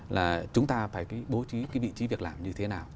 là chúng ta phải bố trí cái vị trí việc làm như thế nào